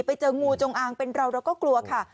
ไปเจองูจงอางเป็นเราเราก็กลัวค่ะ